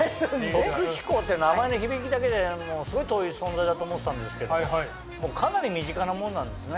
「特殊鋼」って名前の響きだけですごい遠い存在だと思ってたんですけどももうかなり身近なもんなんですね。